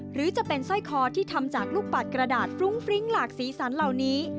หรือจะเป็นสร้อยคอที่ทำจากลูกปัดกระดาษฟรุ้งฟริ้งหลากสีสันเหล่านี้